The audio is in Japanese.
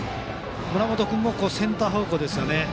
村本君もセンター方向ですよね。